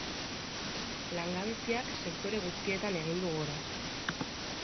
Langabeziak sektore guztietan egin du gora.